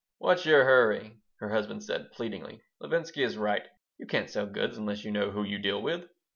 "What's your hurry?" her husband said, pleadingly. "Levinsky is right. You can't sell goods unless you know who you deal with."